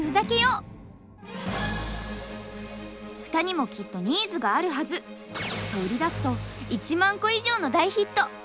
フタにもきっとニーズがあるはずと売り出すと１万個以上の大ヒット！